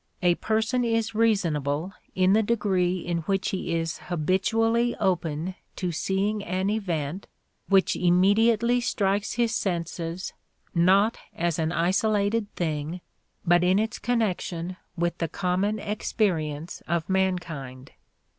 A person is reasonable in the degree in which he is habitually open to seeing an event which immediately strikes his senses not as an isolated thing but in its connection with the common experience of mankind.